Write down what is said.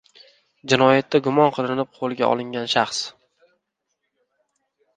Jinoyatda gumon qilinib qo‘lga olingan shaxs